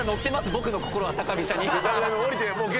僕の心は高飛車に。